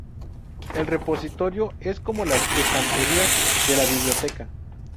El repositorio es como las estanterías de la biblioteca.